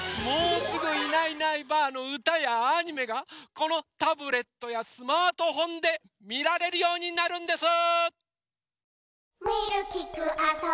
もうすぐ「いないいないばあっ！」のうたやアニメがこのタブレットやスマートフォンでみられるようになるんです！